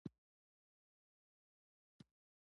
چپه خوله، د باطن ښکلا ده.